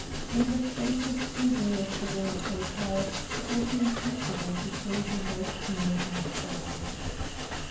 In the spacious foyer of the Grand Hotel it was impossible to say who might be looking at them.